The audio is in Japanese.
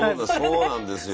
そうなんですよ。